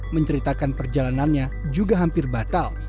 menceritakan perjalanannya juga hampir batal